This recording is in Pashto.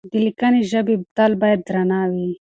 د ليکنۍ ژبې تله بايد درنه وي.